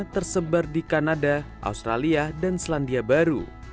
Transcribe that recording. tersebar di kanada australia dan selandia baru